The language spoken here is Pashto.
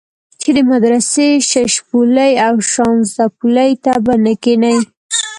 چې د مدرسې ششپولي او شانزدا پلي ته به نه کېنې.